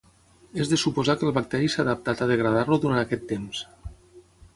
És de suposar que el bacteri s'ha adaptat a degradar-lo durant aquest temps.